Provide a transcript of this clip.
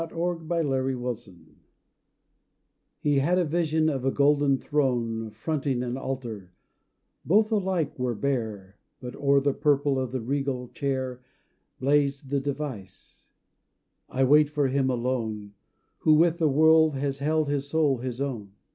THRONE AND ALTAR He had a vision of a golden throne Fronting an altar; both alike were bare, But o'er the purple of the regal chair Blazed the device, "I wait for him alone Who with the world has held his soul his own."